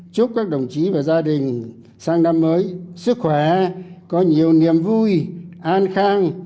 chúc các đồng chí và gia đình sang năm mới sức khỏe có nhiều niềm vui an khang